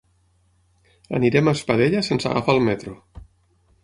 Anirem a Espadella sense agafar el metro.